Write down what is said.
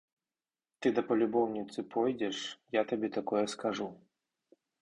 Ты да палюбоўніцы пойдзеш, я табе такое скажу.